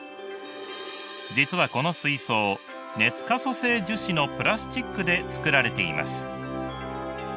実はこの水槽熱可塑性樹脂のプラスチックで作られています。